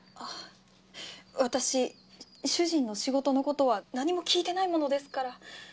私主人の仕事の事は何も聞いてないものですから。